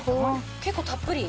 結構たっぷり。